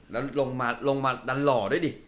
แล้วลงมาดันหล่อด้วยดิ